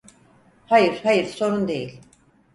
Hayır, hayır, sorun değil.